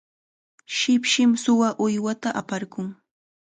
shipshim suwa uywata aparqun.